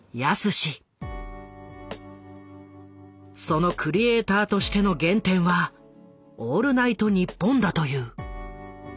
そのクリエーターとしての原点は「オールナイトニッポン」だという。